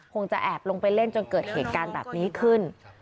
คงจะแอบลงไปเล่นจนเกิดเหตุการณ์แบบนี้ขึ้น